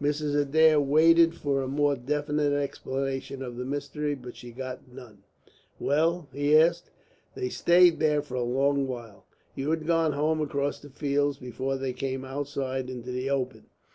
Mrs. Adair waited for a more definite explanation of the mystery, but she got none. "Well?" he asked. "They stayed there for a long while. You had gone home across the fields before they came outside into the open.